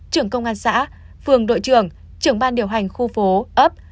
trưởng công an xã phường đội trưởng trưởng ban điều hành khu phố ấp